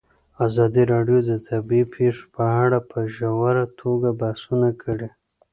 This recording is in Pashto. ازادي راډیو د طبیعي پېښې په اړه په ژوره توګه بحثونه کړي.